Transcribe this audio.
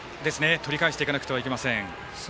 取り返していかなくてはなりません。